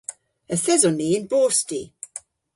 Yth eson ni yn bosti.